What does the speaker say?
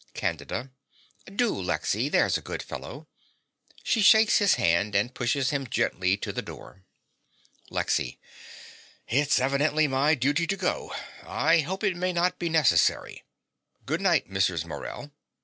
CANDIDA. Do, Lexy: there's a good fellow. (She shakes his hand and pushes him gently to the door.) LEXY. It's evidently my duty to go. I hope it may not be necessary. Good night, Mrs. Morell.